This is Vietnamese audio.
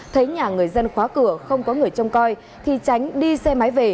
thấy nhà người dân khóa cửa không có người trông coi thì tránh đi xe máy về